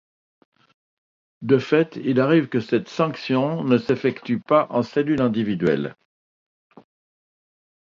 De fait, il arrive que cette sanction ne s'effectue pas en cellule individuelle.